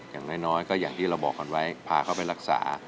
อย่างน้อยก็อย่างที่เราบอกกันไว้พาเขาไปรักษา